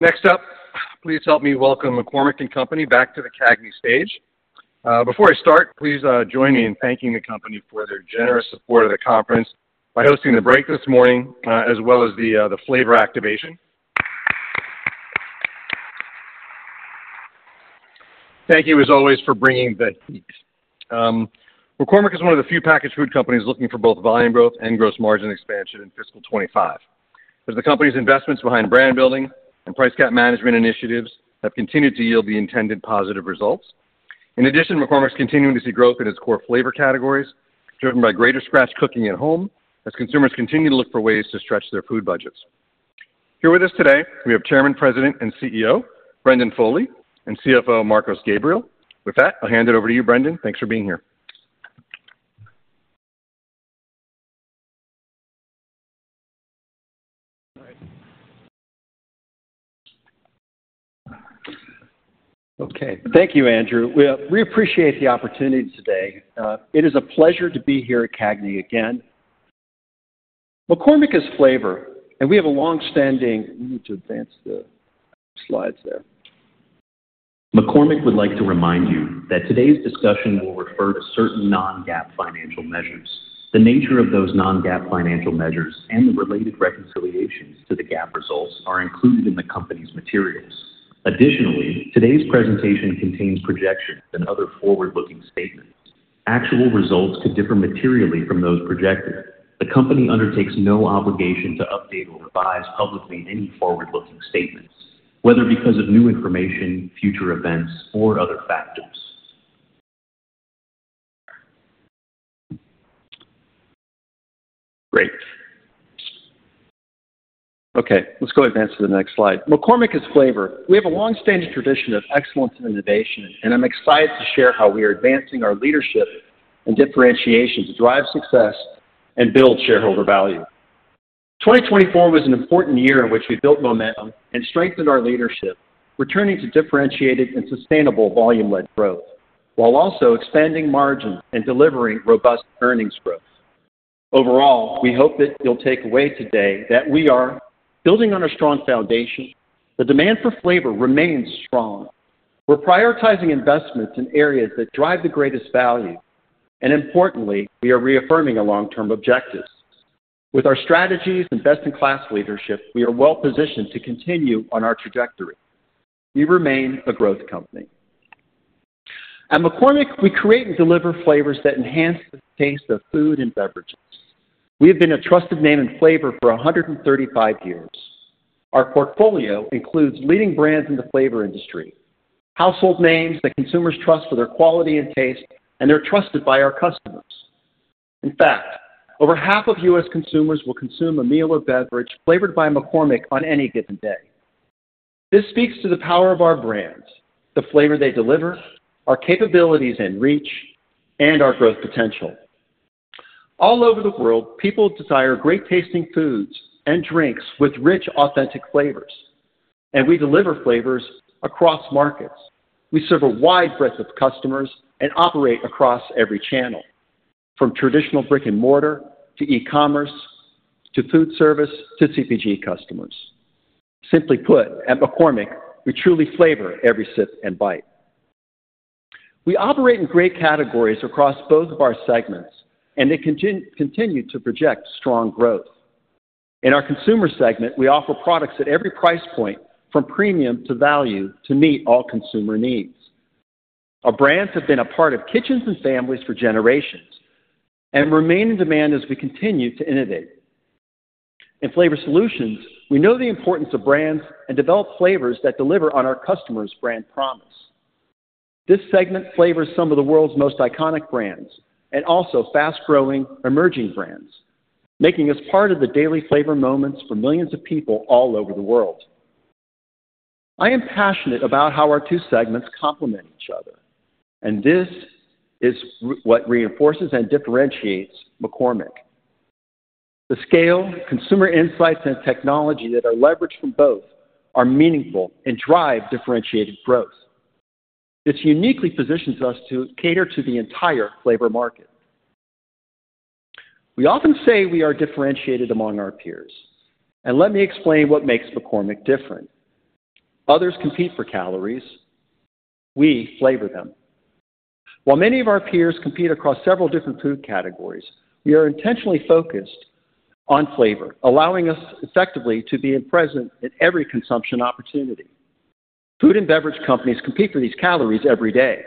Next up, please help me welcome McCormick & Company back to the CAGNY stage. Before I start, please join me in thanking the company for their generous support of the conference by hosting the break this morning, as well as the flavor activation. Thank you, as always, for bringing the heat. McCormick is one of the few packaged food companies looking for both volume growth and gross margin expansion in fiscal 2025. As the company's investments behind brand building and price pack management initiatives have continued to yield the intended positive results, in addition, McCormick's continuing to see growth in its core flavor categories, driven by greater scratch cooking at home, as consumers continue to look for ways to stretch their food budgets. Here with us today, we have Chairman, President, and CEO Brendan Foley and CFO Marcos Gabriel. With that, I'll hand it over to you, Brendan. Thanks for being here. Okay. Thank you, Andrew. We appreciate the opportunity today. It is a pleasure to be here at CAGNY again. McCormick is Flavor, and we have a long-standing. Let me advance the slides there. McCormick would like to remind you that today's discussion will refer to certain non-GAAP financial measures. The nature of those non-GAAP financial measures and the related reconciliations to the GAAP results are included in the company's materials. Additionally, today's presentation contains projections and other forward-looking statements. Actual results could differ materially from those projected. The company undertakes no obligation to update or revise publicly any forward-looking statements, whether because of new information, future events, or other factors. Great. Okay. Let's go ahead and advance to the next slide. McCormick is Flavor. We have a long-standing tradition of excellence and innovation, and I'm excited to share how we are advancing our leadership and differentiation to drive success and build shareholder value. 2024 was an important year in which we built momentum and strengthened our leadership, returning to differentiated and sustainable volume-led growth, while also expanding margins and delivering robust earnings growth. Overall, we hope that you'll take away today that we are building on a strong foundation. The demand for flavor remains strong. We're prioritizing investments in areas that drive the greatest value. And importantly, we are reaffirming our long-term objectives. With our strategies and best-in-class leadership, we are well-positioned to continue on our trajectory. We remain a growth company. At McCormick, we create and deliver flavors that enhance the taste of food and beverages. We have been a trusted name in flavor for 135 years. Our portfolio includes leading brands in the flavor industry, household names that consumers trust for their quality and taste, and they're trusted by our customers. In fact, over half of U.S. consumers will consume a meal or beverage flavored by McCormick on any given day. This speaks to the power of our brands, the flavor they deliver, our capabilities and reach, and our growth potential. All over the world, people desire great-tasting foods and drinks with rich, authentic flavors, and we deliver flavors across markets. We serve a wide breadth of customers and operate across every channel, from traditional brick-and-mortar to e-commerce to foodservice to CPG customers. Simply put, at McCormick, we truly flavor every sip and bite. We operate in great categories across both of our segments, and they continue to project strong growth. In our Consumer segment, we offer products at every price point, from premium to value, to meet all consumer needs. Our brands have been a part of kitchens and families for generations and remain in demand as we continue to innovate. In Flavor Solutions, we know the importance of brands and develop flavors that deliver on our customers' brand promise. This segment flavors some of the world's most iconic brands and also fast-growing, emerging brands, making us part of the daily flavor moments for millions of people all over the world. I am passionate about how our two segments complement each other, and this is what reinforces and differentiates McCormick. The scale, consumer insights, and technology that are leveraged from both are meaningful and drive differentiated growth. This uniquely positions us to cater to the entire flavor market. We often say we are differentiated among our peers, and let me explain what makes McCormick different. Others compete for calories. We flavor them. While many of our peers compete across several different food categories, we are intentionally focused on flavor, allowing us effectively to be present at every consumption opportunity. Food and beverage companies compete for these calories every day,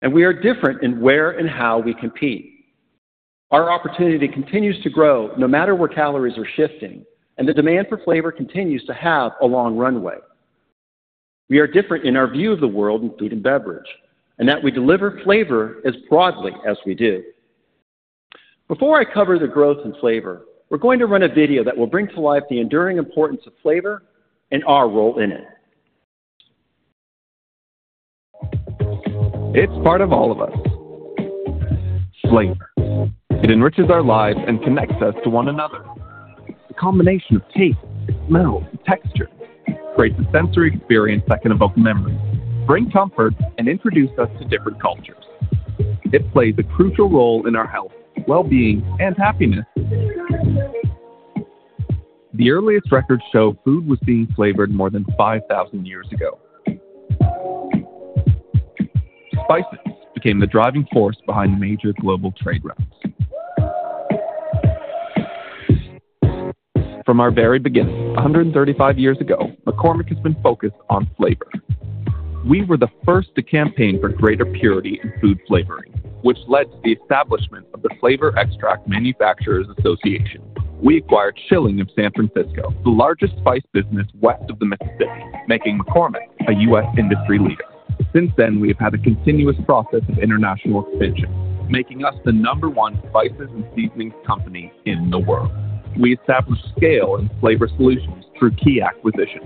and we are different in where and how we compete. Our opportunity continues to grow no matter where calories are shifting, and the demand for flavor continues to have a long runway. We are different in our view of the world in food and beverage, and that we deliver flavor as broadly as we do. Before I cover the growth in flavor, we're going to run a video that will bring to light the enduring importance of flavor and our role in it. It's part of all of us. Flavor. It enriches our lives and connects us to one another. The combination of taste, smell, and texture creates a sensory experience that can evoke memories, bring comfort, and introduce us to different cultures. It plays a crucial role in our health, well-being, and happiness. The earliest records show food was being flavored more than 5,000 years ago. Spices became the driving force behind major global trade routes. From our very beginning, 135 years ago, McCormick has been focused on flavor. We were the first to campaign for greater purity in food flavoring, which led to the establishment of the Flavor and Extract Manufacturers Association. We acquired Schilling of San Francisco, the largest spice business west of the Mississippi, making McCormick a U.S. industry leader. Since then, we have had a continuous process of international expansion, making us the number one spices and seasonings company in the world. We established scale and Flavor Solutions through key acquisitions.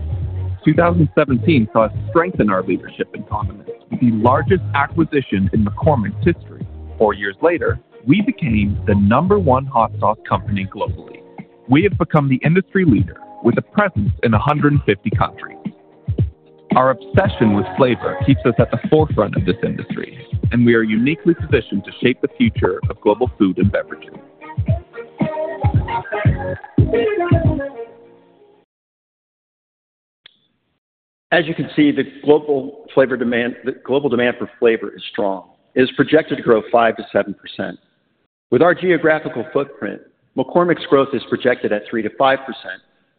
2017 saw us strengthen our leadership in condiments, the largest acquisition in McCormick's history. Four years later, we became the number one hot sauce company globally. We have become the industry leader with a presence in 150 countries. Our obsession with flavor keeps us at the forefront of this industry, and we are uniquely positioned to shape the future of global food and beverages. As you can see, the global flavor demand, the global demand for flavor, is strong. It is projected to grow 5%-7%. With our geographical footprint, McCormick's growth is projected at 3%-5%,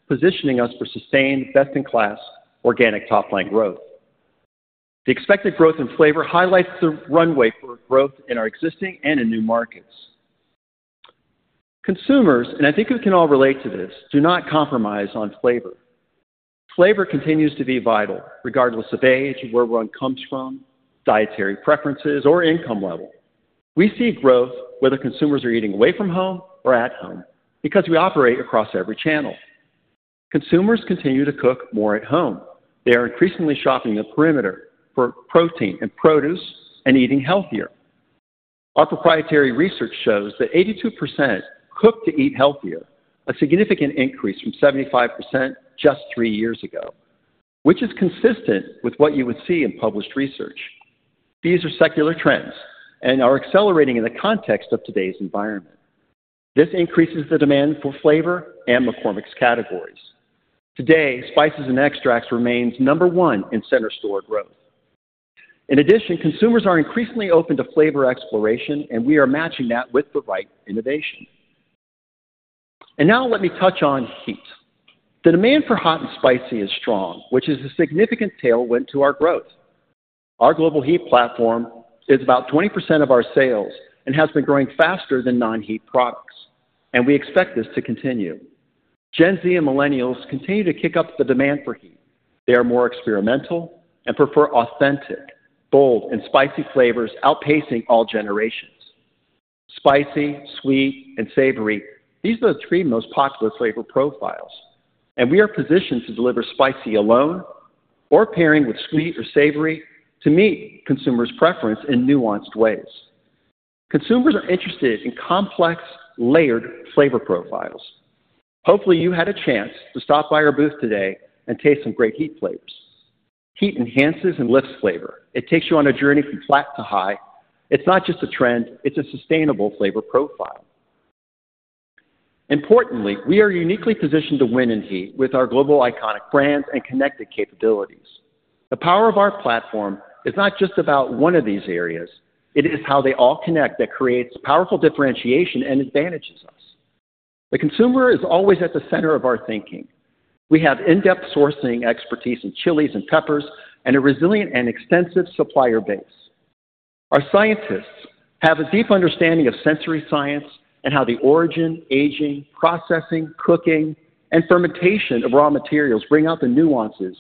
positioning us for sustained best-in-class organic top-line growth. The expected growth in flavor highlights the runway for growth in our existing and in new markets. Consumers, and I think we can all relate to this, do not compromise on flavor. Flavor continues to be vital, regardless of age, where one comes from, dietary preferences, or income level. We see growth whether consumers are eating away from home or at home because we operate across every channel. Consumers continue to cook more at home. They are increasingly shopping the perimeter for protein and produce and eating healthier. Our proprietary research shows that 82% cook to eat healthier, a significant increase from 75% just three years ago, which is consistent with what you would see in published research. These are secular trends and are accelerating in the context of today's environment. This increases the demand for flavor and McCormick's categories. Today, spices and extracts remain number one in center-store growth. In addition, consumers are increasingly open to flavor exploration, and we are matching that with the right innovation. Now let me touch on heat. The demand for hot and spicy is strong, which is a significant tailwind to our growth. Our global heat platform is about 20% of our sales and has been growing faster than non-heat products, and we expect this to continue. Gen Z and Millennials continue to kick up the demand for heat. They are more experimental and prefer authentic, bold, and spicy flavors, outpacing all generations. Spicy, sweet, and savory, these are the three most popular flavor profiles, and we are positioned to deliver spicy alone or pairing with sweet or savory to meet consumers' preference in nuanced ways. Consumers are interested in complex, layered flavor profiles. Hopefully, you had a chance to stop by our booth today and taste some great heat flavors. Heat enhances and lifts flavor. It takes you on a journey from flat to high. It's not just a trend. It's a sustainable flavor profile. Importantly, we are uniquely positioned to win in heat with our global iconic brands and connected capabilities. The power of our platform is not just about one of these areas. It is how they all connect that creates powerful differentiation and advantages us. The consumer is always at the center of our thinking. We have in-depth sourcing expertise in chilies and peppers and a resilient and extensive supplier base. Our scientists have a deep understanding of sensory science and how the origin, aging, processing, cooking, and fermentation of raw materials bring out the nuances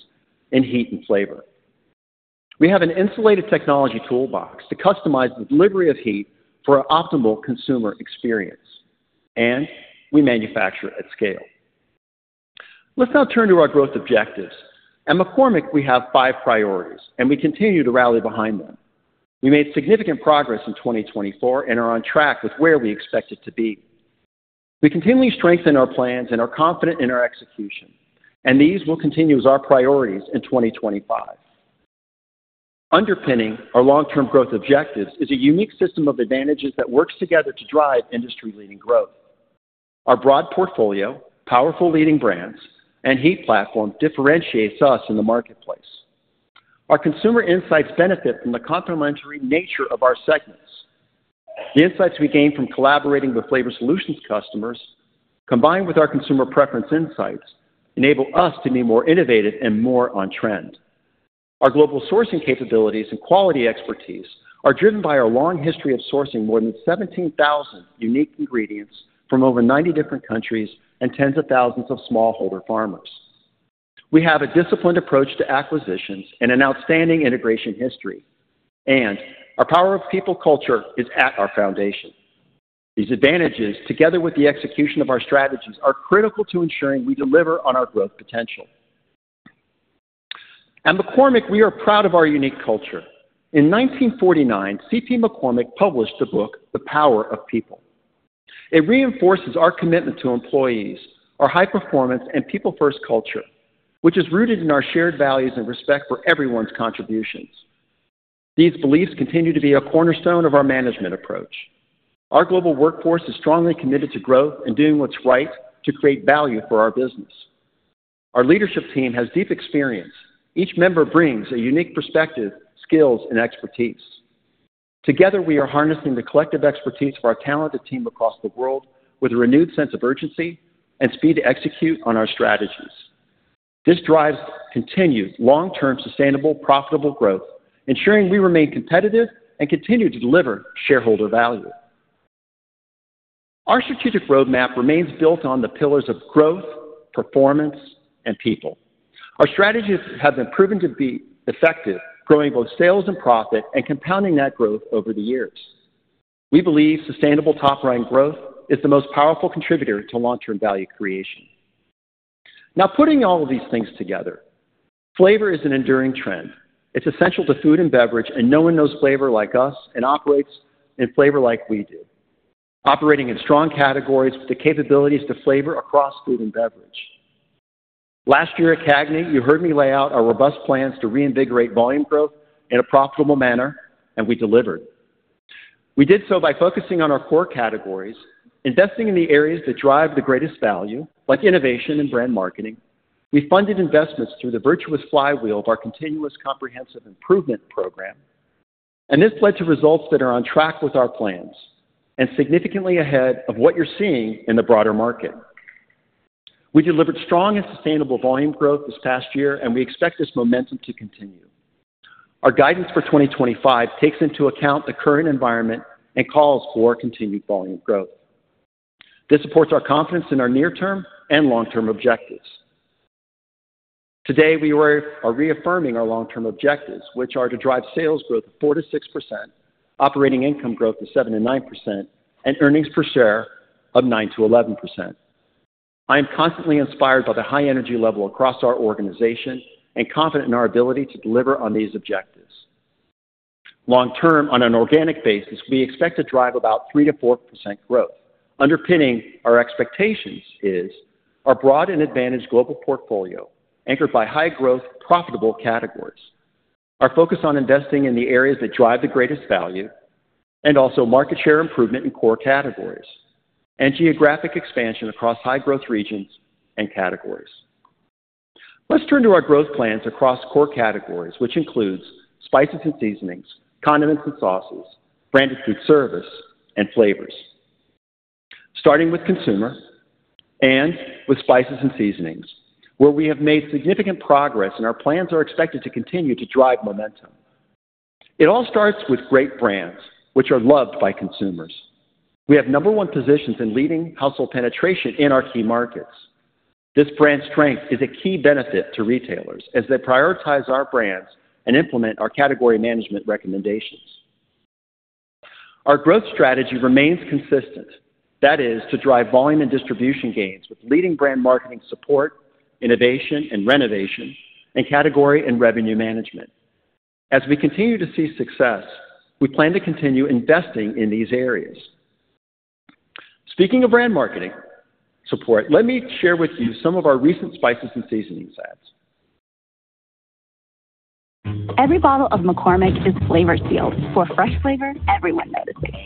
in heat and flavor. We have an insulated technology toolbox to customize the delivery of heat for an optimal consumer experience, and we manufacture at scale. Let's now turn to our growth objectives. At McCormick, we have five priorities, and we continue to rally behind them. We made significant progress in 2024 and are on track with where we expect it to be. We continually strengthen our plans and are confident in our execution, and these will continue as our priorities in 2025. Underpinning our long-term growth objectives is a unique system of advantages that works together to drive industry-leading growth. Our broad portfolio, powerful leading brands, and heat platform differentiate us in the marketplace. Our consumer insights benefit from the complementary nature of our segments. The insights we gain from collaborating with Flavor Solutions customers, combined with our consumer preference insights, enable us to be more innovative and more on-trend. Our global sourcing capabilities and quality expertise are driven by our long history of sourcing more than 17,000 unique ingredients from over 90 different countries and tens of thousands of smallholder farmers. We have a disciplined approach to acquisitions and an outstanding integration history, and our power of people culture is at our foundation. These advantages, together with the execution of our strategies, are critical to ensuring we deliver on our growth potential. At McCormick, we are proud of our unique culture. In 1949, C.P. McCormick published the book The Power of People. It reinforces our commitment to employees, our high-performance, and people-first culture, which is rooted in our shared values and respect for everyone's contributions. These beliefs continue to be a cornerstone of our management approach. Our global workforce is strongly committed to growth and doing what's right to create value for our business. Our leadership team has deep experience. Each member brings a unique perspective, skills, and expertise. Together, we are harnessing the collective expertise of our talented team across the world with a renewed sense of urgency and speed to execute on our strategies. This drives continued long-term sustainable, profitable growth, ensuring we remain competitive and continue to deliver shareholder value. Our strategic roadmap remains built on the pillars of growth, performance, and people. Our strategies have been proven to be effective, growing both sales and profit and compounding that growth over the years. We believe sustainable top-line growth is the most powerful contributor to long-term value creation. Now, putting all of these things together, flavor is an enduring trend. It's essential to food and beverage, and no one knows flavor like us and operates in flavor like we do, operating in strong categories with the capabilities to flavor across food and beverage. Last year at CAGNY, you heard me lay out our robust plans to reinvigorate volume growth in a profitable manner, and we delivered. We did so by focusing on our core categories, investing in the areas that drive the greatest value, like innovation and brand marketing. We funded investments through the virtuous flywheel of our continuous comprehensive improvement program, and this led to results that are on track with our plans and significantly ahead of what you're seeing in the broader market. We delivered strong and sustainable volume growth this past year, and we expect this momentum to continue. Our guidance for 2025 takes into account the current environment and calls for continued volume growth. This supports our confidence in our near-term and long-term objectives. Today, we are reaffirming our long-term objectives, which are to drive sales growth of 4%-6%, operating income growth of 7%-9%, and earnings per share of 9%-11%. I am constantly inspired by the high energy level across our organization and confident in our ability to deliver on these objectives. Long-term, on an organic basis, we expect to drive about 3%-4% growth. Underpinning our expectations is our broad and advantaged global portfolio anchored by high-growth, profitable categories. Our focus on investing in the areas that drive the greatest value and also market share improvement in core categories and geographic expansion across high-growth regions and categories. Let's turn to our growth plans across core categories, which include spices and seasonings, condiments and sauces, branded foodservice, and flavors, starting with consumer and with spices and seasonings, where we have made significant progress and our plans are expected to continue to drive momentum. It all starts with great brands, which are loved by consumers. We have number one positions in leading household penetration in our key markets. This brand strength is a key benefit to retailers as they prioritize our brands and implement our category management recommendations. Our growth strategy remains consistent. That is to drive volume and distribution gains with leading brand marketing support, innovation and renovation, and category and revenue management. As we continue to see success, we plan to continue investing in these areas. Speaking of brand marketing support, let me share with you some of our recent spices and seasonings ads. Every bottle of McCormick is FlavorSealed for fresh flavor everyone notices.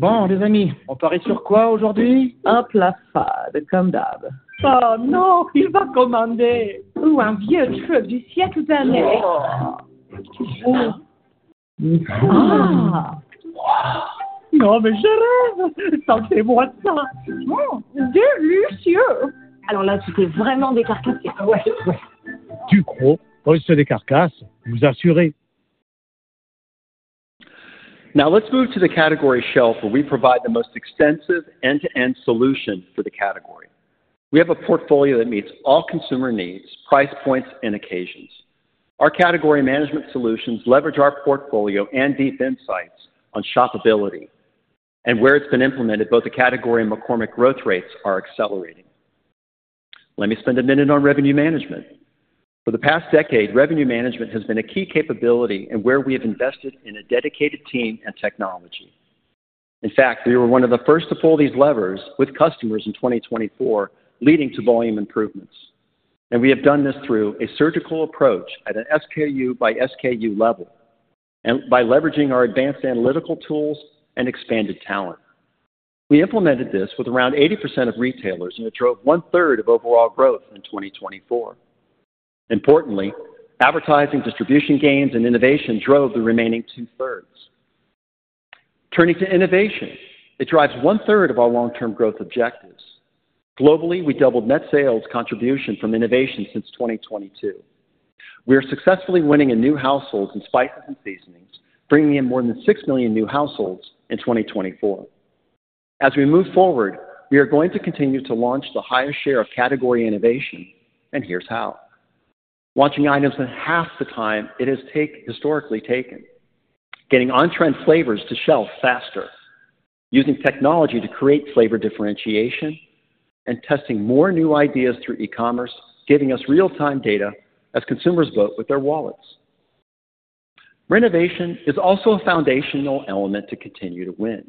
Bon, les amis, on parie sur quoi aujourd'hui? Un plat fade, comme d'hab. Oh non, il va commander! Ou un vieux truc du siècle dernier. Non, mais je rêve! Sentez-moi ça! Délicieux! Alors là, tu t'es vraiment décarcassée. Ouais, ouais. Ducros! On se décarcasse, je vous assure. Now, let's move to the category shelf where we provide the most extensive end-to-end solution for the category. We have a portfolio that meets all consumer needs, price points, and occasions. Our category management solutions leverage our portfolio and deep insights on shoppability, and where it's been implemented, both the category and McCormick growth rates are accelerating. Let me spend a minute on revenue management. For the past decade, revenue management has been a key capability and where we have invested in a dedicated team and technology. In fact, we were one of the first to pull these levers with customers in 2024, leading to volume improvements. And we have done this through a surgical approach at an SKU-by-SKU level and by leveraging our advanced analytical tools and expanded talent. We implemented this with around 80% of retailers, and it drove one-third of overall growth in 2024. Importantly, advertising, distribution gains, and innovation drove the remaining two-thirds. Turning to innovation, it drives one-third of our long-term growth objectives. Globally, we doubled net sales contribution from innovation since 2022. We are successfully winning in new households in spices and seasonings, bringing in more than six million new households in 2024. As we move forward, we are going to continue to launch the highest share of category innovation, and here's how. Launching items in half the time it has historically taken, getting on-trend flavors to shelf faster, using technology to create flavor differentiation, and testing more new ideas through e-commerce, giving us real-time data as consumers vote with their wallets. Renovation is also a foundational element to continue to win.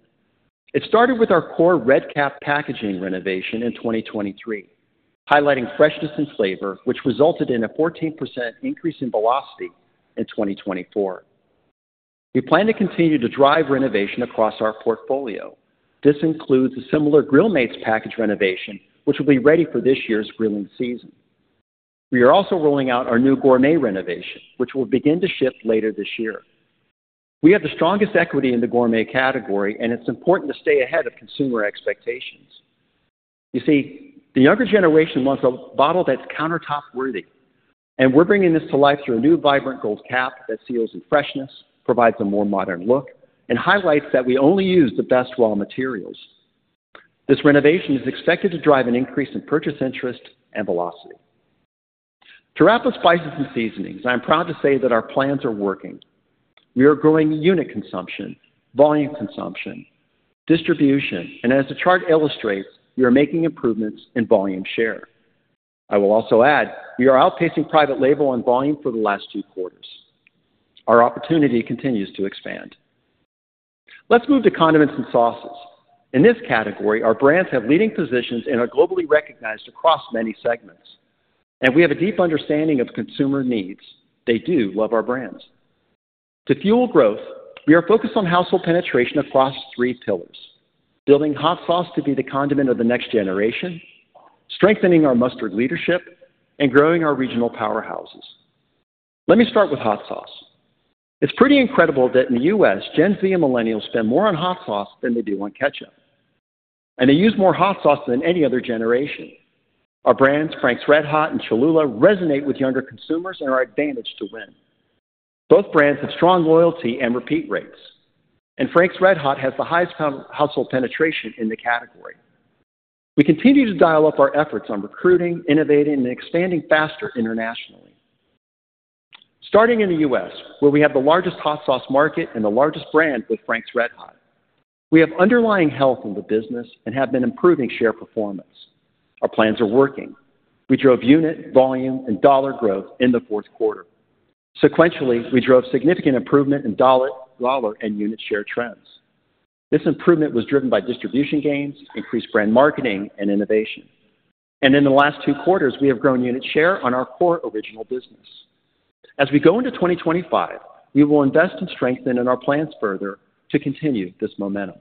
It started with our core red cap packaging renovation in 2023, highlighting freshness and flavor, which resulted in a 14% increase in velocity in 2024. We plan to continue to drive renovation across our portfolio. This includes a similar Grill Mates package renovation, which will be ready for this year's grilling season. We are also rolling out our new Gourmet renovation, which will begin to ship later this year. We have the strongest equity in the Gourmet category, and it's important to stay ahead of consumer expectations. You see, the younger generation wants a bottle that's countertop-worthy, and we're bringing this to life through a new vibrant gold cap that seals in freshness, provides a more modern look, and highlights that we only use the best raw materials. This renovation is expected to drive an increase in purchase interest and velocity. To wrap up spices and seasonings, I'm proud to say that our plans are working. We are growing unit consumption, volume consumption, distribution, and as the chart illustrates, we are making improvements in volume share. I will also add we are outpacing private label on volume for the last two quarters. Our opportunity continues to expand. Let's move to condiments and sauces. In this category, our brands have leading positions and are globally recognized across many segments, and we have a deep understanding of consumer needs. They do love our brands. To fuel growth, we are focused on household penetration across three pillars: building hot sauce to be the condiment of the next generation, strengthening our mustard leadership, and growing our regional powerhouses. Let me start with hot sauce. It's pretty incredible that in the U.S., Gen Z and Millennials spend more on hot sauce than they do on ketchup, and they use more hot sauce than any other generation. Our brands, Frank's RedHot and Cholula, resonate with younger consumers and are advantaged to win. Both brands have strong loyalty and repeat rates, and Frank's RedHot has the highest household penetration in the category. We continue to dial up our efforts on recruiting, innovating, and expanding faster internationally. Starting in the U.S., where we have the largest hot sauce market and the largest brand with Frank's RedHot, we have underlying health in the business and have been improving share performance. Our plans are working. We drove unit, volume, and dollar growth in the fourth quarter. Sequentially, we drove significant improvement in dollar and unit share trends. This improvement was driven by distribution gains, increased brand marketing, and innovation, and in the last two quarters, we have grown unit share on our core original business. As we go into 2025, we will invest and strengthen in our plans further to continue this momentum.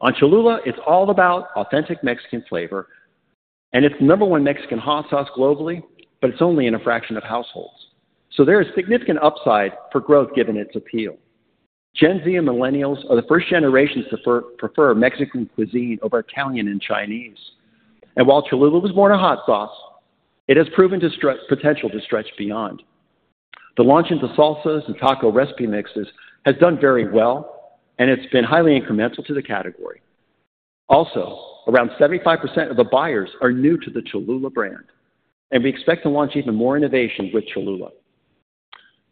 On Cholula, it's all about authentic Mexican flavor, and it's the number one Mexican hot sauce globally, but it's only in a fraction of households. So there is significant upside for growth given its appeal. Gen Z and Millennials are the first generation to prefer Mexican cuisine over Italian and Chinese. And while Cholula was born a hot sauce, it has proven to stretch potential beyond. The launch into salsas and taco recipe mixes has done very well, and it's been highly incremental to the category. Also, around 75% of the buyers are new to the Cholula brand, and we expect to launch even more innovation with Cholula.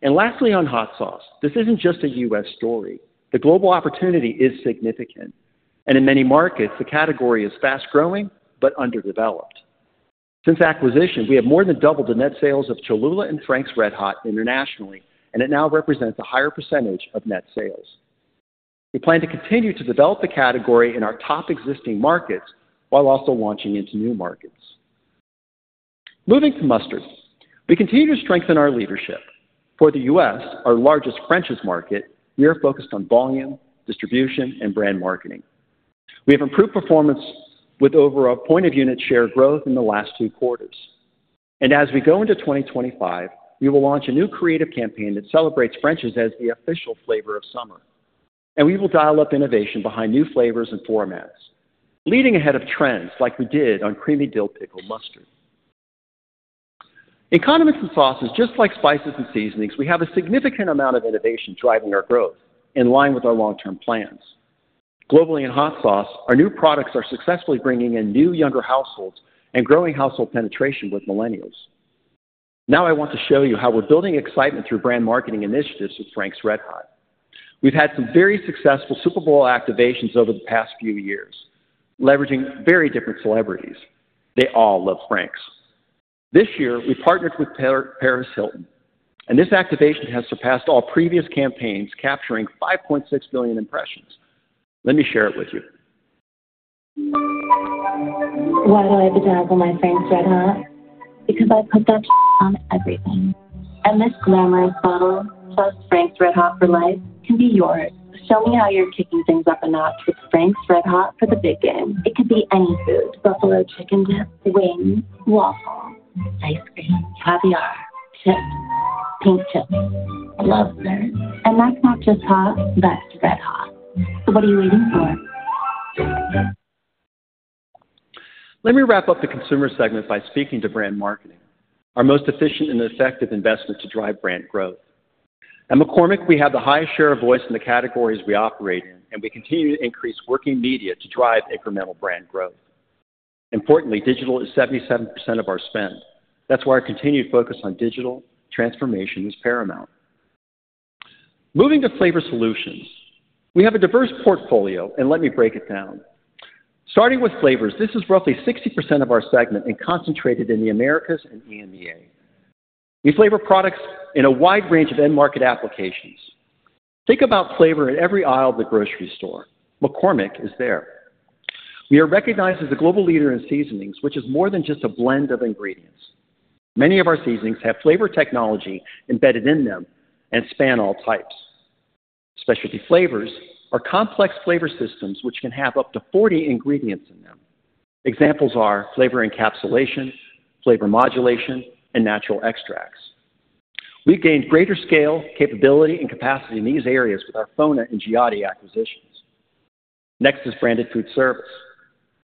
And lastly, on hot sauce, this isn't just a U.S. story. The global opportunity is significant, and in many markets, the category is fast-growing but underdeveloped. Since acquisition, we have more than doubled the net sales of Cholula and Frank's RedHot internationally, and it now represents a higher percentage of net sales. We plan to continue to develop the category in our top existing markets while also launching into new markets. Moving to mustard, we continue to strengthen our leadership. For the U.S., our largest French's market, we are focused on volume, distribution, and brand marketing. We have improved performance with over a point of unit share growth in the last two quarters. As we go into 2025, we will launch a new creative campaign that celebrates French's as the official flavor of summer. We will dial up innovation behind new flavors and formats, leading ahead of trends like we did on creamy dill pickle mustard. In condiments and sauces, just like spices and seasonings, we have a significant amount of innovation driving our growth in line with our long-term plans. Globally, in hot sauce, our new products are successfully bringing in new younger households and growing household penetration with Millennials. Now I want to show you how we're building excitement through brand marketing initiatives with Frank's RedHot. We've had some very successful Super Bowl activations over the past few years, leveraging very different celebrities. They all love Franks. This year, we partnered with Paris Hilton, and this activation has surpassed all previous campaigns, capturing 5.6 million impressions. Let me share it with you. Why do I have to double my Frank's RedHot? Because I put that shit on everything. And this glamorous bottle plus Frank's RedHot for life can be yours. Show me how you're kicking things up a notch with Frank's RedHot for the big game. It could be any food: buffalo chicken dip, wings, waffle, ice cream, caviar, chips, pink chips. I love this. And that's not just hot, that's RedHot. So what are you waiting for? Let me wrap up the Consumer segment by speaking to brand marketing, our most efficient and effective investment to drive brand growth. At McCormick, we have the highest share of voice in the categories we operate in, and we continue to increase working media to drive incremental brand growth. Importantly, digital is 77% of our spend. That's why our continued focus on digital transformation is paramount. Moving to Flavor Solutions, we have a diverse portfolio, and let me break it down. Starting with flavors, this is roughly 60% of our segment and concentrated in the Americas and EMEA. We flavor products in a wide range of end-market applications. Think about flavor in every aisle of the grocery store. McCormick is there. We are recognized as a global leader in seasonings, which is more than just a blend of ingredients. Many of our seasonings have flavor technology embedded in them and span all types. Specialty flavors are complex flavor systems, which can have up to 40 ingredients in them. Examples are flavor encapsulation, flavor modulation, and natural extracts. We've gained greater scale, capability, and capacity in these areas with our FONA and Giotti acquisitions. Next is branded foodservice.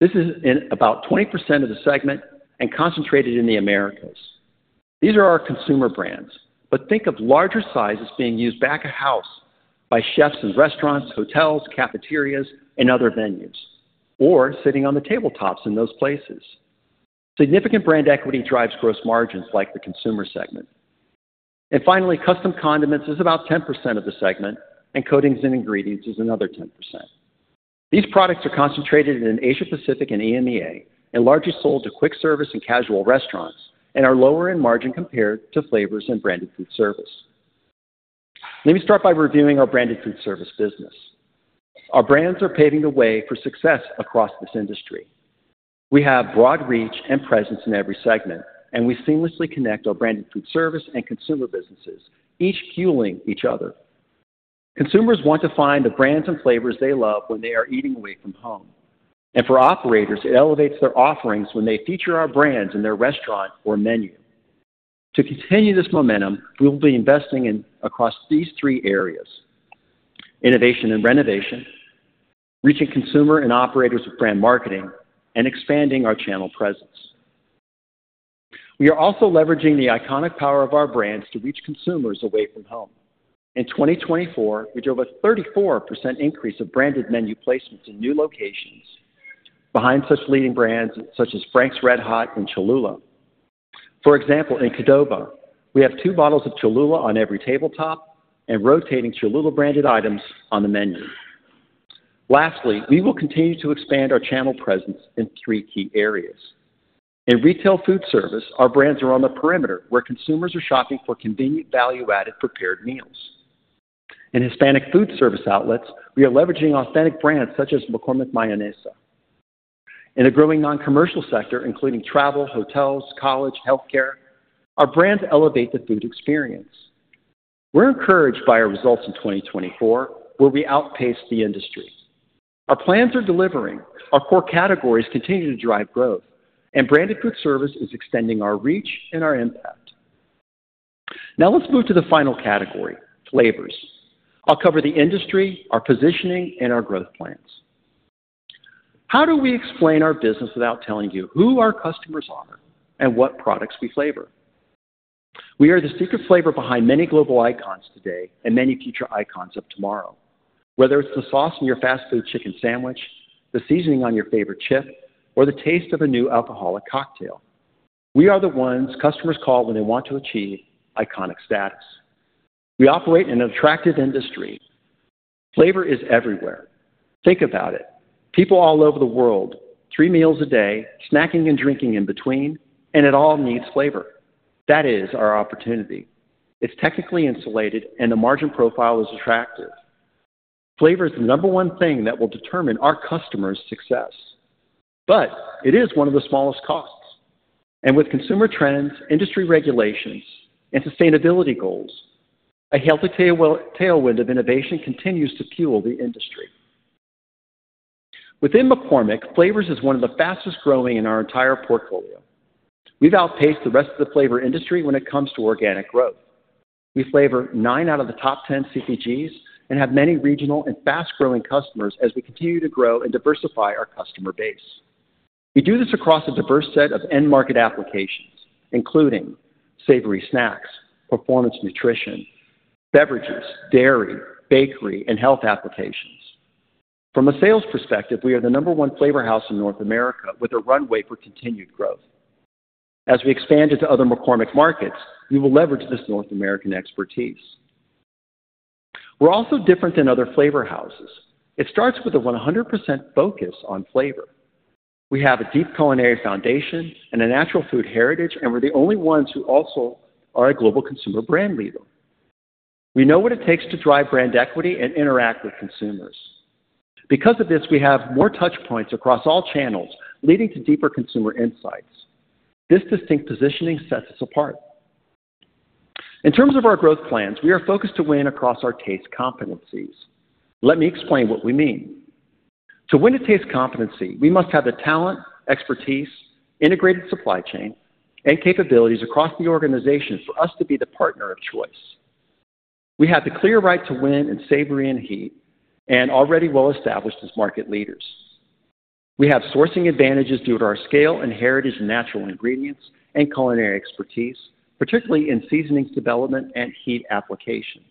This is about 20% of the segment and concentrated in the Americas. These are our consumer brands, but think of larger sizes being used back of house by chefs in restaurants, hotels, cafeterias, and other venues, or sitting on the tabletops in those places. Significant brand equity drives gross margins like the Consumer segment. And finally, custom condiments is about 10% of the segment, and coatings and ingredients is another 10%. These products are concentrated in Asia-Pacific and EMEA and largely sold to quick service and casual restaurants and are lower in margin compared to flavors and branded foodservice. Let me start by reviewing our branded foodservice business. Our brands are paving the way for success across this industry. We have broad reach and presence in every segment, and we seamlessly connect our branded foodservice and consumer businesses, each fueling each other. Consumers want to find the brands and flavors they love when they are eating away from home. And for operators, it elevates their offerings when they feature our brands in their restaurant or menu. To continue this momentum, we will be investing across these three areas: innovation and renovation, reaching consumers and operators with brand marketing, and expanding our channel presence. We are also leveraging the iconic power of our brands to reach consumers away from home. In 2024, we drove a 34% increase of branded menu placements in new locations behind such leading brands such as Frank's RedHot and Cholula. For example, in Qdoba, we have two bottles of Cholula on every tabletop and rotating Cholula-branded items on the menu. Lastly, we will continue to expand our channel presence in three key areas. In retail foodservice, our brands are on the perimeter where consumers are shopping for convenient value-added prepared meals. In Hispanic foodservice outlets, we are leveraging authentic brands such as McCormick Mayonesa. In the growing non-commercial sector, including travel, hotels, college, healthcare, our brands elevate the food experience. We're encouraged by our results in 2024, where we outpaced the industry. Our plans are delivering. Our core categories continue to drive growth, and branded foodservice is extending our reach and our impact. Now let's move to the final category: flavors. I'll cover the industry, our positioning, and our growth plans. How do we explain our business without telling you who our customers are and what products we flavor? We are the secret flavor behind many global icons today and many future icons of tomorrow. Whether it's the sauce in your fast food chicken sandwich, the seasoning on your favorite chip, or the taste of a new alcoholic cocktail, we are the ones customers call when they want to achieve iconic status. We operate in an attractive industry. Flavor is everywhere. Think about it. People all over the world, three meals a day, snacking and drinking in between, and it all needs flavor. That is our opportunity. It's technically insulated, and the margin profile is attractive. Flavor is the number one thing that will determine our customers' success, but it is one of the smallest costs, and with consumer trends, industry regulations, and sustainability goals, a healthy tailwind of innovation continues to fuel the industry. Within McCormick, flavors is one of the fastest growing in our entire portfolio. We've outpaced the rest of the flavor industry when it comes to organic growth. We flavor nine out of the top 10 CPGs and have many regional and fast-growing customers as we continue to grow and diversify our customer base. We do this across a diverse set of end-market applications, including savory snacks, performance nutrition, beverages, dairy, bakery, and health applications. From a sales perspective, we are the number one flavor house in North America with a runway for continued growth. As we expand into other McCormick markets, we will leverage this North American expertise. We're also different than other flavor houses. It starts with a 100% focus on flavor. We have a deep culinary foundation and a natural food heritage, and we're the only ones who also are a global consumer brand leader. We know what it takes to drive brand equity and interact with consumers. Because of this, we have more touchpoints across all channels, leading to deeper consumer insights. This distinct positioning sets us apart. In terms of our growth plans, we are focused to win across our taste competencies. Let me explain what we mean. To win a taste competency, we must have the talent, expertise, integrated supply chain, and capabilities across the organization for us to be the partner of choice. We have the clear right to win in savory and heat, and already well-established as market leaders. We have sourcing advantages due to our scale and heritage in natural ingredients and culinary expertise, particularly in seasonings development and heat application.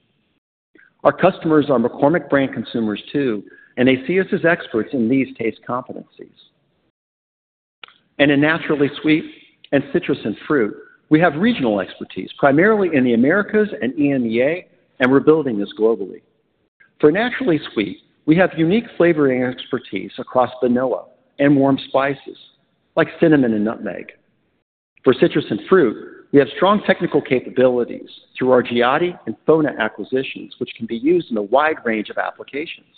Our customers are McCormick brand consumers too, and they see us as experts in these taste competencies, and in Naturally Sweet and Citrus and Fruit, we have regional expertise, primarily in the Americas and EMEA, and we're building this globally. For Naturally Sweet, we have unique flavoring expertise across vanilla and warm spices like cinnamon and nutmeg. For Citrus and Fruit, we have strong technical capabilities through our Giotti and FONA acquisitions, which can be used in a wide range of applications.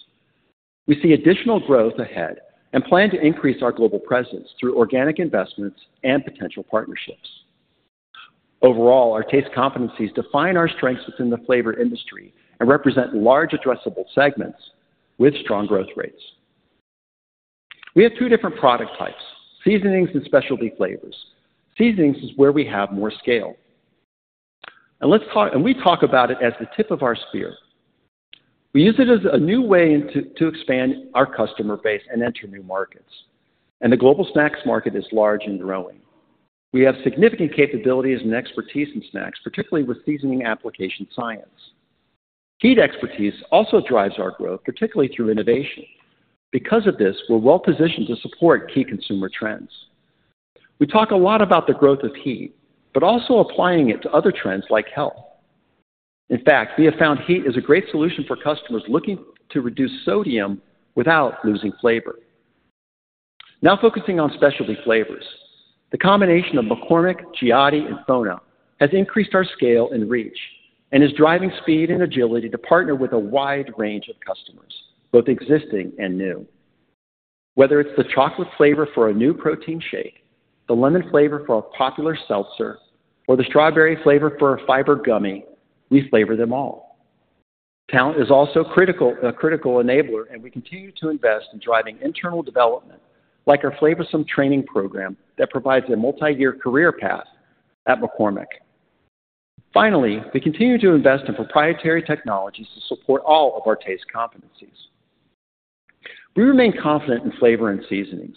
We see additional growth ahead and plan to increase our global presence through organic investments and potential partnerships. Overall, our taste competencies define our strengths within the flavor industry and represent large addressable segments with strong growth rates. We have two different product types: seasonings and specialty flavors. Seasonings is where we have more scale, and we talk about it as the tip of our spear. We use it as a new way to expand our customer base and enter new markets, and the global snacks market is large and growing. We have significant capabilities and expertise in snacks, particularly with seasoning application science. Heat expertise also drives our growth, particularly through innovation. Because of this, we're well-positioned to support key consumer trends. We talk a lot about the growth of heat, but also applying it to other trends like health. In fact, we have found heat is a great solution for customers looking to reduce sodium without losing flavor. Now focusing on specialty flavors, the combination of McCormick, Giotti, and FONA has increased our scale and reach and is driving speed and agility to partner with a wide range of customers, both existing and new. Whether it's the chocolate flavor for a new protein shake, the lemon flavor for a popular seltzer, or the strawberry flavor for a fiber gummy, we flavor them all. Talent is also a critical enabler, and we continue to invest in driving internal development, like our Flavorist training program that provides a multi-year career path at McCormick. Finally, we continue to invest in proprietary technologies to support all of our taste competencies. We remain confident in flavor and seasonings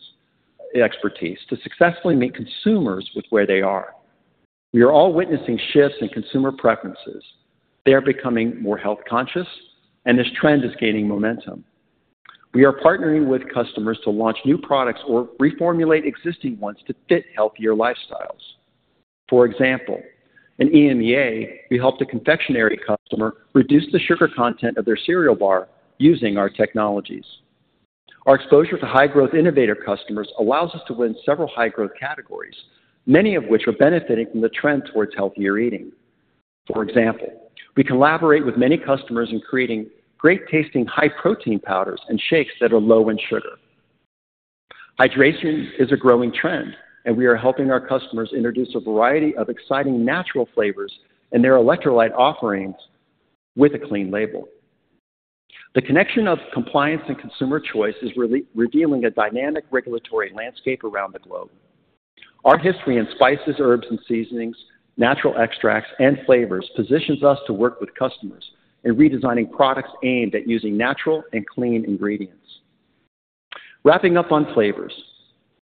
expertise to successfully meet consumers with where they are. We are all witnessing shifts in consumer preferences. They are becoming more health conscious, and this trend is gaining momentum. We are partnering with customers to launch new products or reformulate existing ones to fit healthier lifestyles. For example, in EMEA, we helped a confectionery customer reduce the sugar content of their cereal bar using our technologies. Our exposure to high-growth innovator customers allows us to win several high-growth categories, many of which are benefiting from the trend towards healthier eating. For example, we collaborate with many customers in creating great-tasting high-protein powders and shakes that are low in sugar. Hydration is a growing trend, and we are helping our customers introduce a variety of exciting natural flavors and their electrolyte offerings with a clean label. The connection of compliance and consumer choice is revealing a dynamic regulatory landscape around the globe. Our history in spices, herbs, and seasonings, natural extracts, and flavors positions us to work with customers in redesigning products aimed at using natural and clean ingredients. Wrapping up on flavors,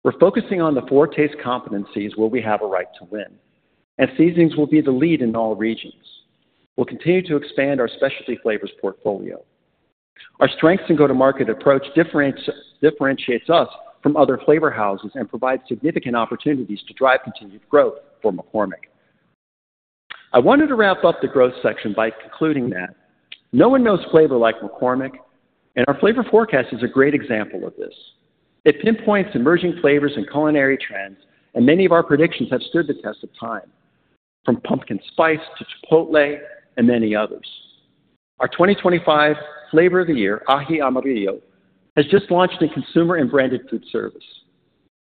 we're focusing on the four taste competencies where we have a right to win, and seasonings will be the lead in all regions. We'll continue to expand our specialty flavors portfolio. Our strengths and go-to-market approach differentiates us from other flavor houses and provides significant opportunities to drive continued growth for McCormick. I wanted to wrap up the growth section by concluding that no one knows flavor like McCormick, and our Flavor Forecast is a great example of this. It pinpoints emerging flavors and culinary trends, and many of our predictions have stood the test of time, from pumpkin spice to chipotle and many others. Our 2025 Flavor of the Year, Aji Amarillo, has just launched in consumer and branded foodservice.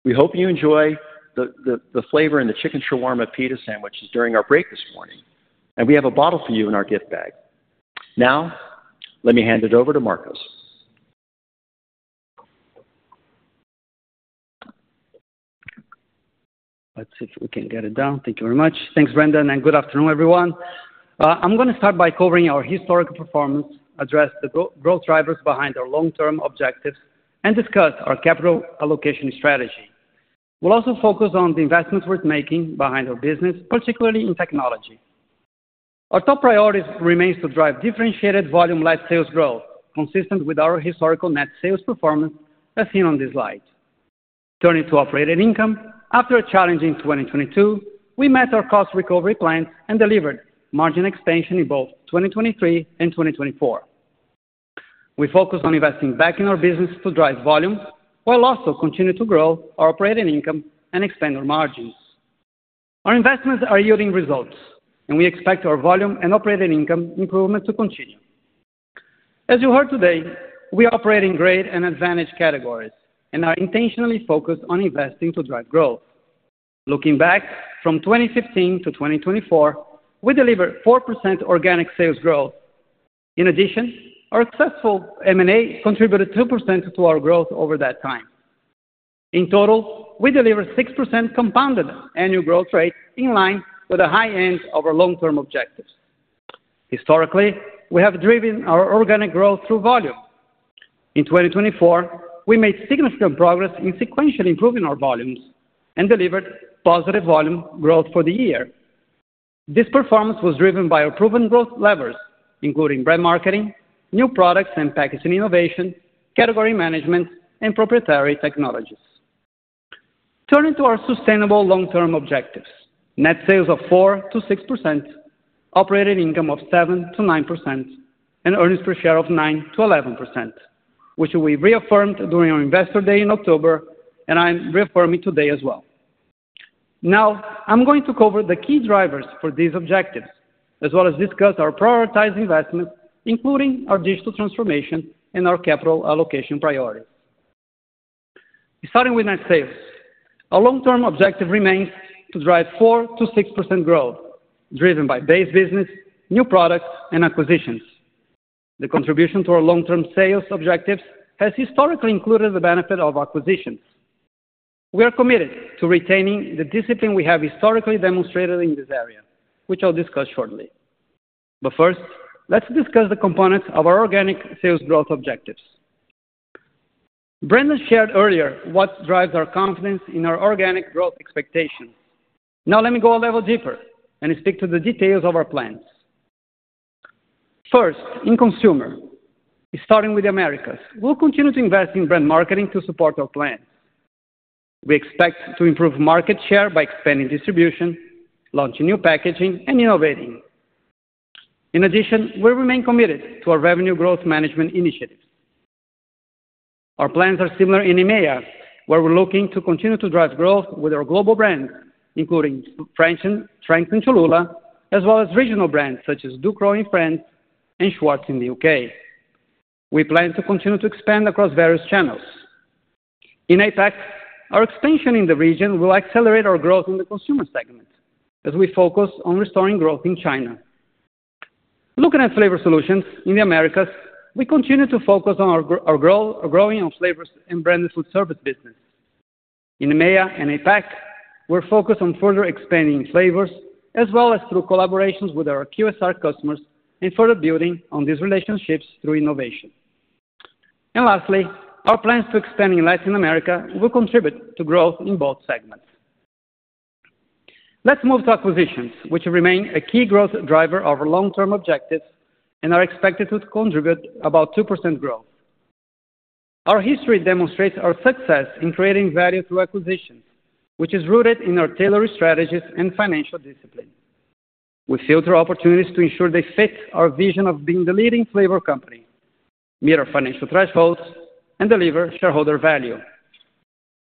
We hope you enjoy the flavor in the chicken shawarma pita sandwiches during our break this morning, and we have a bottle for you in our gift bag. Now, let me hand it over to Marcos. Let's see if we can get it down. Thank you very much. Thanks, Brendan, and good afternoon, everyone. I'm going to start by covering our historical performance, address the growth drivers behind our long-term objectives, and discuss our capital allocation strategy. We'll also focus on the investments worth making behind our business, particularly in technology. Our top priority remains to drive differentiated volume-led sales growth, consistent with our historical net sales performance as seen on this slide. Turning to operating income, after a challenging 2022, we met our cost recovery plans and delivered margin expansion in both 2023 and 2024. We focus on investing back in our business to drive volume, while also continuing to grow our operating income and expand our margins. Our investments are yielding results, and we expect our volume and operating income improvement to continue. As you heard today, we operate in great and advantaged categories and are intentionally focused on investing to drive growth. Looking back from 2015 to 2024, we delivered 4% organic sales growth. In addition, our successful M&A contributed 2% to our growth over that time. In total, we delivered 6% compounded annual growth rate in line with the high end of our long-term objectives. Historically, we have driven our organic growth through volume. In 2024, we made significant progress in sequentially improving our volumes and delivered positive volume growth for the year. This performance was driven by our proven growth levers, including brand marketing, new products and packaging innovation, category management, and proprietary technologies. Turning to our sustainable long-term objectives, net sales of 4%-6%, operating income of 7%-9%, and earnings per share of 9%-11%, which we reaffirmed during our investor day in October, and I'm reaffirming today as well. Now, I'm going to cover the key drivers for these objectives, as well as discuss our prioritized investments, including our digital transformation and our capital allocation priorities. Starting with net sales, our long-term objective remains to drive 4%-6% growth, driven by base business, new products, and acquisitions. The contribution to our long-term sales objectives has historically included the benefit of acquisitions. We are committed to retaining the discipline we have historically demonstrated in this area, which I'll discuss shortly. But first, let's discuss the components of our organic sales growth objectives. Brendan shared earlier what drives our confidence in our organic growth expectations. Now, let me go a level deeper and speak to the details of our plans. First, in consumer, starting with the Americas, we'll continue to invest in brand marketing to support our plans. We expect to improve market share by expanding distribution, launching new packaging, and innovating. In addition, we'll remain committed to our revenue growth management initiatives. Our plans are similar in EMEA, where we're looking to continue to drive growth with our global brands, including Frank's, Cholula, as well as regional brands such as Ducros in France and Schwartz in the U.K. We plan to continue to expand across various channels. In APAC, our expansion in the region will accelerate our growth in the Consumer segment as we focus on restoring growth in China. Looking at Flavor Solutions in the Americas, we continue to focus on our growing flavors and branded foodservice business. In EMEA and APAC, we're focused on further expanding flavors, as well as through collaborations with our QSR customers and further building on these relationships through innovation. And lastly, our plans to expand in Latin America will contribute to growth in both segments. Let's move to acquisitions, which remain a key growth driver of our long-term objectives and are expected to contribute about 2% growth. Our history demonstrates our success in creating value through acquisitions, which is rooted in our tailoring strategies and financial discipline. We filter opportunities to ensure they fit our vision of being the leading flavor company, meet our financial thresholds, and deliver shareholder value.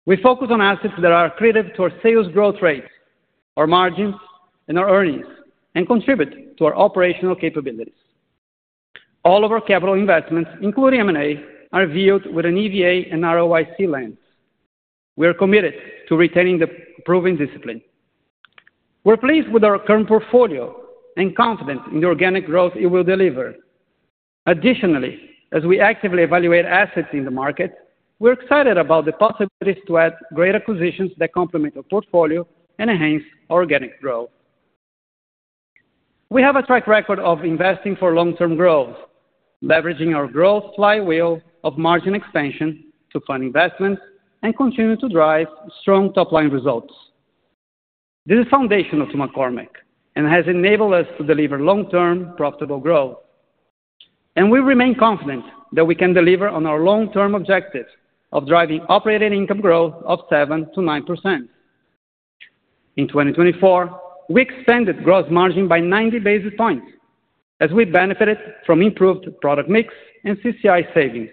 We focus on assets that are key to our sales growth rates, our margins, and our earnings, and contribute to our operational capabilities. All of our capital investments, including M&A, are viewed with an EVA and ROIC lens. We are committed to retaining the proven discipline. We're pleased with our current portfolio and confident in the organic growth it will deliver. Additionally, as we actively evaluate assets in the market, we're excited about the possibilities to add great acquisitions that complement our portfolio and enhance our organic growth. We have a track record of investing for long-term growth, leveraging our growth flywheel of margin expansion to fund investments and continue to drive strong top-line results. This is foundational to McCormick and has enabled us to deliver long-term profitable growth. And we remain confident that we can deliver on our long-term objectives of driving operating income growth of 7%-9%. In 2024, we expanded gross margin by 90 basis points as we benefited from improved product mix and CCI savings.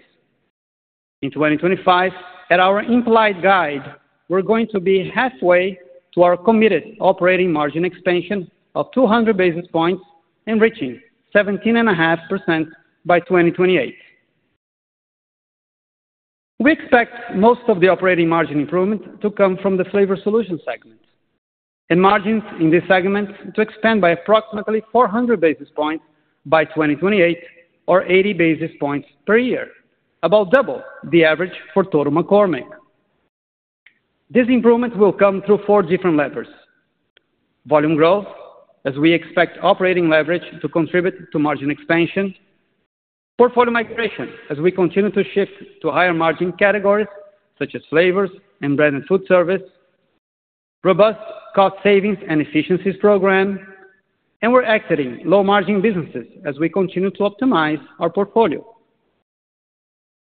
In 2025, at our implied guide, we're going to be halfway to our committed operating margin expansion of 200 basis points and reaching 17.5% by 2028. We expect most of the operating margin improvement to come from the Flavor Solutions segment and margins in this segment to expand by approximately 400 basis points by 2028, or 80 basis points per year, about double the average for total McCormick. These improvements will come through four different levers: volume growth, as we expect operating leverage to contribute to margin expansion. Portfolio migration, as we continue to shift to higher margin categories such as flavors and branded foodservice. Robust cost savings and efficiencies program. And we're exiting low-margin businesses as we continue to optimize our portfolio.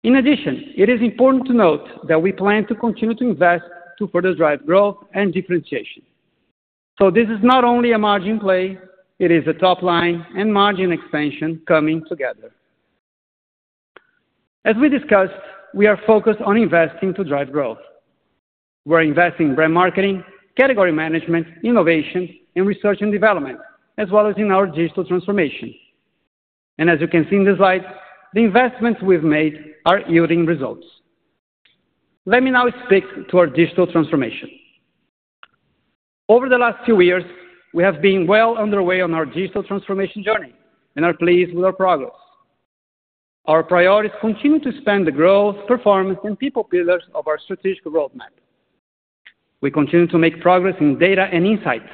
In addition, it is important to note that we plan to continue to invest to further drive growth and differentiation. So this is not only a margin play. It is a top-line and margin expansion coming together. As we discussed, we are focused on investing to drive growth. We're investing in brand marketing, category management, innovation, and research and development, as well as in our digital transformation. As you can see in this slide, the investments we've made are yielding results. Let me now speak to our digital transformation. Over the last few years, we have been well underway on our digital transformation journey and are pleased with our progress. Our priorities continue to expand the growth, performance, and people pillars of our strategic roadmap. We continue to make progress in data and insights,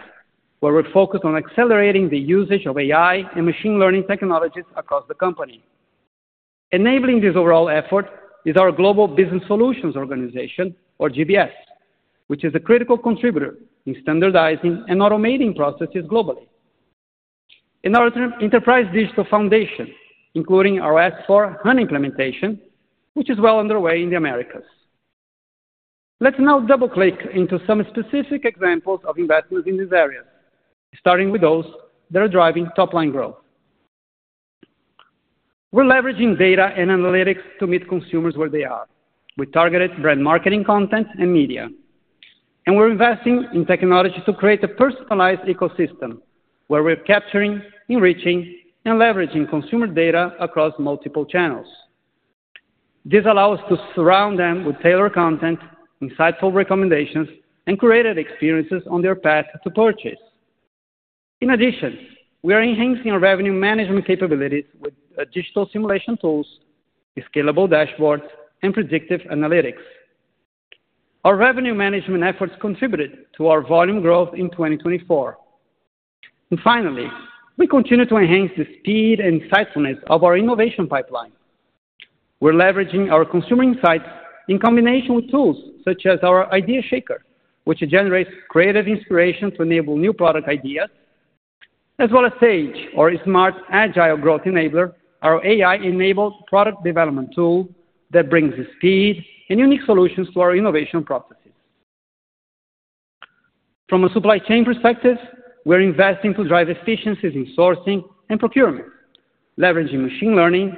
where we're focused on accelerating the usage of AI and machine learning technologies across the company. Enabling this overall effort is our Global Business Solutions Organization, or GBS, which is a critical contributor in standardizing and automating processes globally. In our enterprise digital foundation, including our S/4HANA implementation, which is well underway in the Americas. Let's now double-click into some specific examples of investments in these areas, starting with those that are driving top-line growth. We're leveraging data and analytics to meet consumers where they are. We targeted brand marketing content and media, and we're investing in technology to create a personalized ecosystem where we're capturing, enriching, and leveraging consumer data across multiple channels. This allows us to surround them with tailored content, insightful recommendations, and curated experiences on their path to purchase. In addition, we are enhancing our revenue management capabilities with digital simulation tools, scalable dashboards, and predictive analytics. Our revenue management efforts contributed to our volume growth in 2024. And finally, we continue to enhance the speed and insightfulness of our innovation pipeline. We're leveraging our consumer insights in combination with tools such as our Idea Shaker, which generates creative inspiration to enable new product ideas, as well as SAGE, our Smart Agile Growth Enabler, our AI-enabled product development tool that brings speed and unique solutions to our innovation processes. From a supply chain perspective, we're investing to drive efficiencies in sourcing and procurement, leveraging machine learning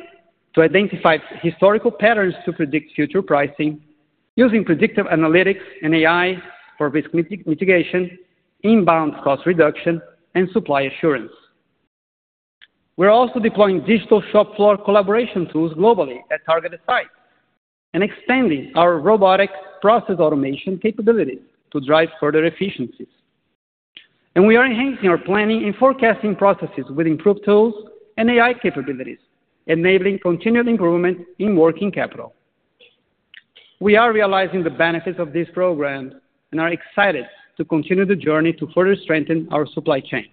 to identify historical patterns to predict future pricing, using predictive analytics and AI for risk mitigation, inbound cost reduction, and supply assurance. We're also deploying digital shop floor collaboration tools globally at targeted sites and expanding our robotic process automation capabilities to drive further efficiencies, and we are enhancing our planning and forecasting processes with improved tools and AI capabilities, enabling continued improvement in working capital. We are realizing the benefits of these programs and are excited to continue the journey to further strengthen our supply chain.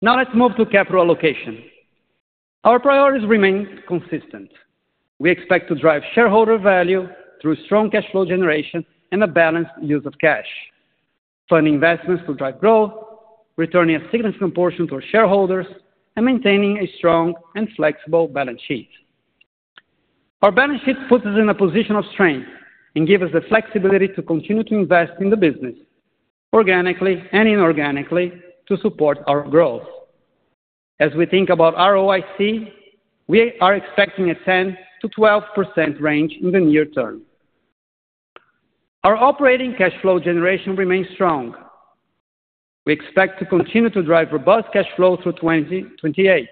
Now let's move to capital allocation. Our priorities remain consistent. We expect to drive shareholder value through strong cash flow generation and a balanced use of cash, fund investments to drive growth, returning a significant portion to our shareholders, and maintaining a strong and flexible balance sheet. Our balance sheet puts us in a position of strength and gives us the flexibility to continue to invest in the business organically and inorganically to support our growth. As we think about ROIC, we are expecting a 10%-12% range in the near term. Our operating cash flow generation remains strong. We expect to continue to drive robust cash flow through 2028.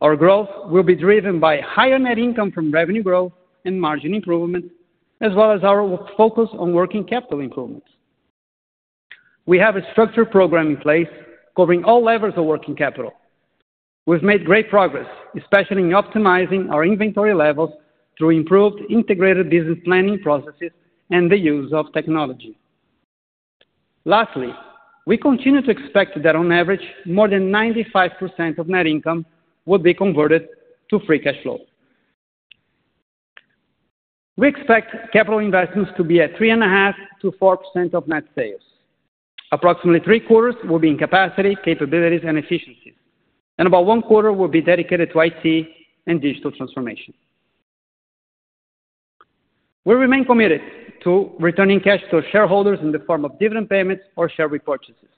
Our growth will be driven by higher net income from revenue growth and margin improvement, as well as our focus on working capital improvements. We have a structured program in place covering all levels of working capital. We've made great progress, especially in optimizing our inventory levels through improved integrated business planning processes and the use of technology. Lastly, we continue to expect that on average, more than 95% of net income will be converted to free cash flow. We expect capital investments to be at 3.5%-4% of net sales. Approximately three quarters will be in capacity, capabilities, and efficiencies, and about one quarter will be dedicated to IT and digital transformation. We remain committed to returning cash to our shareholders in the form of dividend payments or share repurchases.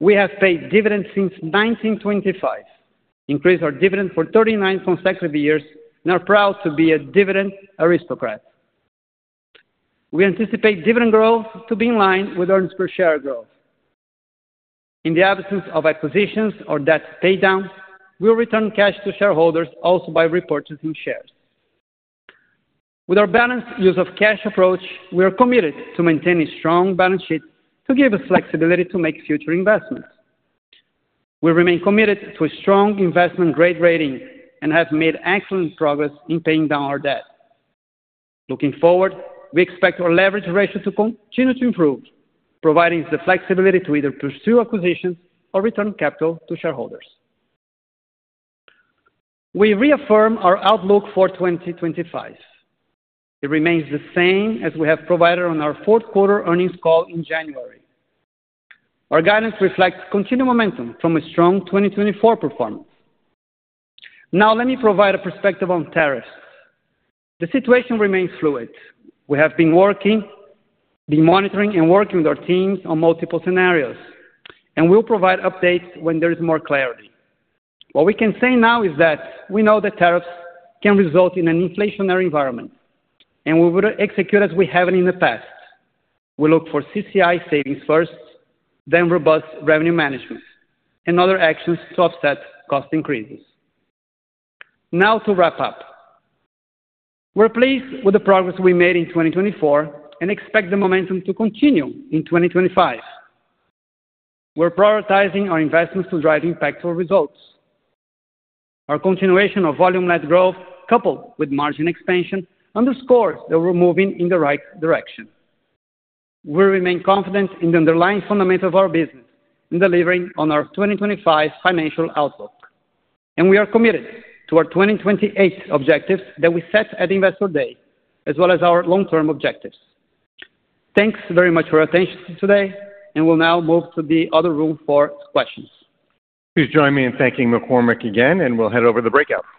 We have paid dividends since 1925, increased our dividend for 39 consecutive years, and are proud to be a Dividend Aristocrat. We anticipate dividend growth to be in line with earnings per share growth. In the absence of acquisitions or debt paydown, we'll return cash to shareholders also by repurchasing shares. With our balanced use of cash approach, we are committed to maintaining strong balance sheets to give us flexibility to make future investments. We remain committed to a strong investment-grade rating and have made excellent progress in paying down our debt. Looking forward, we expect our leverage ratio to continue to improve, providing the flexibility to either pursue acquisitions or return capital to shareholders. We reaffirm our outlook for 2025. It remains the same as we have provided on our fourth quarter earnings call in January. Our guidance reflects continued momentum from a strong 2024 performance. Now, let me provide a perspective on tariffs. The situation remains fluid. We have been monitoring and working with our teams on multiple scenarios, and we'll provide updates when there is more clarity. What we can say now is that we know that tariffs can result in an inflationary environment, and we would execute as we have in the past. We look for CCI savings first, then robust revenue management and other actions to offset cost increases. Now, to wrap up, we're pleased with the progress we made in 2024 and expect the momentum to continue in 2025. We're prioritizing our investments to drive impactful results. Our continuation of volume-led growth, coupled with margin expansion, underscores that we're moving in the right direction. We remain confident in the underlying fundamentals of our business and delivering on our 2025 financial outlook, and we are committed to our 2028 objectives that we set at Investor Day, as well as our long-term objectives. Thanks very much for your attention today, and we'll now move to the other room for questions. Please join me in thanking McCormick again, and we'll head over to the breakout.